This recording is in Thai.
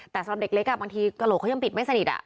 แต่สำหรับเด็กเล็กบางทีกระโหลกเขายังปิดไม่สนิท